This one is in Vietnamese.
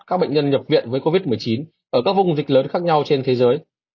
các bệnh nhân nhập viện với covid một mươi chín ở các vùng dịch lớn khác nhau trên thế giới